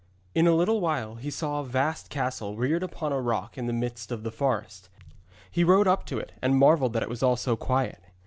In a little while he saw a vast castle reared upon a rock in the midst of the forest. He rode up to it, and marvelled that it was all so quiet.